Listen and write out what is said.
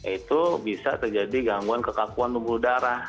itu bisa terjadi gangguan kekakuan pembuluh darah